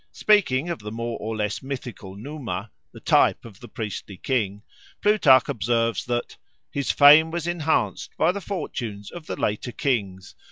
Speaking of the more or less mythical Numa, the type of the priestly king, Plutarch observes that "his fame was enhanced by the fortunes of the later kings.